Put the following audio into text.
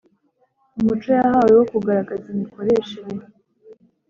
Umuco yahawe wokugaragaza imikoreshere